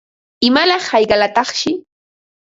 ¿Imalaq hayqalataqshi?